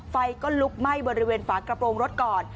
ไฟก็ลุกไหม้บริเวณฝากระโปรงรถก่อน